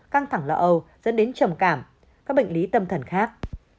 căng thẳng lỡ âu dẫn đến trầm cảm các bệnh lý tâm thần khác